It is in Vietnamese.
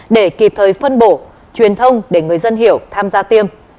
để kịp thời phân bổ truyền thông để người dân hiểu tham gia tiêm